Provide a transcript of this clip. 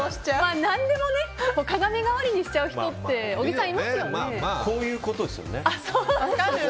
何でも鏡代わりにしちゃう人ってこういうことですよね。